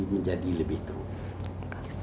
menjadi lebih teruk